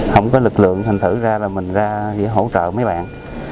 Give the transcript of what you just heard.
không có lực lượng thành thử ra là mình ra để hỗ trợ mấy bạn